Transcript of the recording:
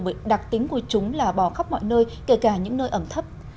bởi đặc tính của chúng là bò khắp mọi nơi kể cả những nơi ẩm thấp